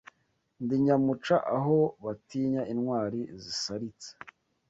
Ndi nyamuca aho batinya intwali zisalitse